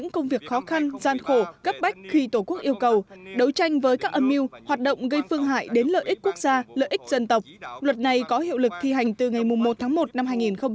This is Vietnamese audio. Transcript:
gây phương hại đến lợi ích quốc gia lợi ích dân tộc luật này có hiệu lực thi hành từ ngày một tháng một năm hai nghìn hai mươi một